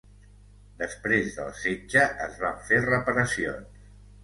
Després del setge, es van fer reparacions.